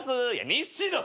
西野！